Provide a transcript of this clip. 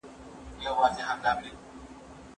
پخوا درملنه ولي د بنسټیزو اړتیاوو څخه نه ګڼل کېده؟